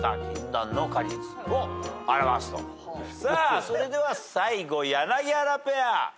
さあそれでは最後柳原ペア。